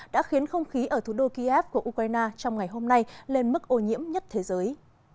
đã khiến không khí ở thủ đô kiev của ukraine trong ngày hôm nay lên mức ô nhiễm nhất thế giới